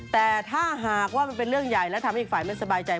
แต่ถ้าหากว่ามันเป็นเรื่องใหญ่และทำให้อีกฝ่ายไม่สบายใจ